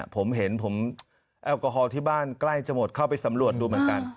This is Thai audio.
ผมเห็นผมแอลกอฮอลที่บ้านใกล้จะหมดเข้าไปสำรวจดูเหมือนกัน